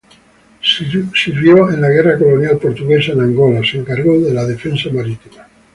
Sirvió en la Guerra colonial portuguesa, en Angola, se encargó de la defensa marítima.